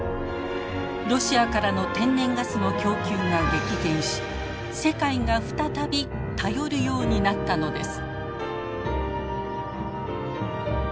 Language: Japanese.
ロシアからの天然ガスの供給が激減し世界が再び頼るようになったのです。